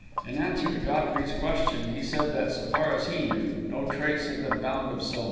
In answer to Godfrey's question, he said that, so far as he knew, no trace had been found of Silva.